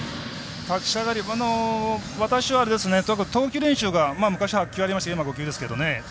立ち上がり私は投球練習が昔は８球ありましたが今は５球ですけどね。